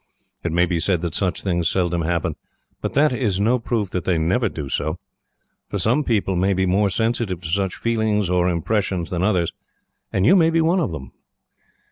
It may be said that such things seldom happen; but that is no proof that they never do so, for some people may be more sensitive to such feelings or impressions than others, and you may be one of them.